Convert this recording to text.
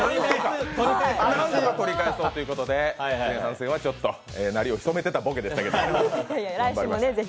取り返そうということで前半戦はちょっとなりを潜めていたボケですけど。